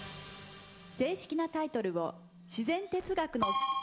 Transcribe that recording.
正式なタイトルを自然哲学の。